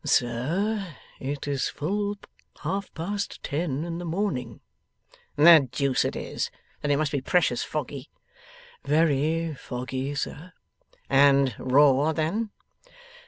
'Sir, it is full half past ten in the morning.' 'The deuce it is! Then it must be precious foggy?' 'Very foggy, sir.' 'And raw, then?